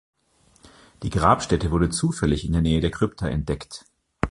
Die Grabstätte wurde zufällig in der Nähe der Krypta entdeckt.